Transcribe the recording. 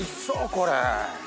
これ。